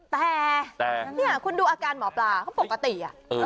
แต่เนี่ยคุณดูอาการหมอปลาเขาปกติอ่ะ